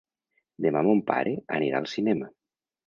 Demà mon pare anirà al cinema.